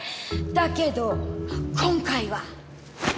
だけど今回は。